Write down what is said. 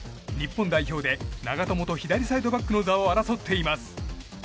日本代表で長友と左サイドバックの座を争っています。